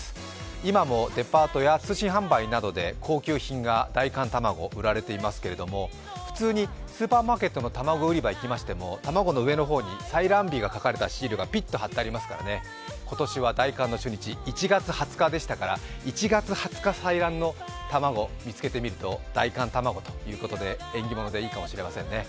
今もデパートや通信販売などで高級品が、大寒たまご、売られていますが普通にスーパーマーケットの卵売り場に行きましても卵の上の方に採卵日が書かれたシールがぴっと貼ってありますからね、今年は大寒の初日１月２０日でしたから１月２０日採卵の卵、見つけてみると大寒卵ということで縁起がいいかもしれませんね。